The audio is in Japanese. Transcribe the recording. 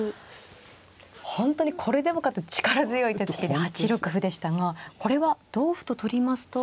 本当にこれでもかと力強い手つきで８六歩でしたがこれは同歩と取りますと。